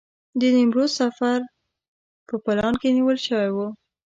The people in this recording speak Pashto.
د نیمروز سفر په پلان کې نیول شوی و.